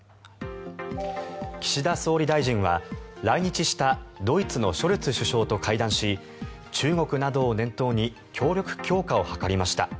岸田総理大臣は来日したドイツのショルツ首相と会談し中国などを念頭に協力強化を図りました。